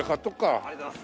ありがとうございます。